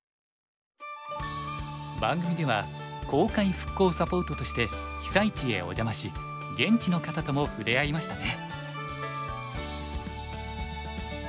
番組では公開復興サポートとして被災地へお邪魔し現地の方とも触れ合いましたね。